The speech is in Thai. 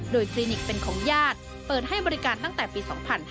โดยคลินิกเป็นของญาติเปิดให้บริการตั้งแต่ปี๒๕๕๙